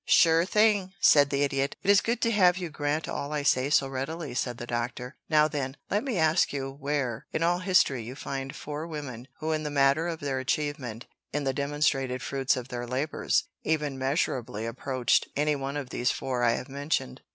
"Sure thing!" said the Idiot. "It is good to have you grant all I say so readily," said the Doctor. "Now then let me ask you where in all history you find four women who in the matter of their achievement, in the demonstrated fruits of their labors, even measurably approached any one of these four I have mentioned?"